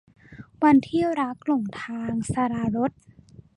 วันที่รักหลงทาง - สราญรส